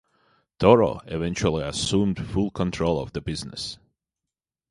Toro eventually assumed full control of the business.